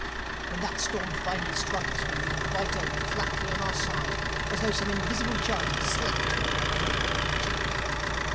When that storm finally struck us we leaned right over flatly on our side, as though some invisible giant had slapped the poor Curlew on the cheek.